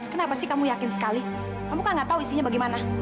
kenapa sih kamu yakin sekali kamu gak tau isinya bagaimana